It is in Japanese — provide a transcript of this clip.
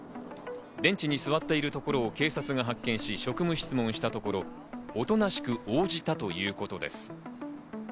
ベンチに座っているところを警察が発見し職務質問したところ、おとなしく応じたということです。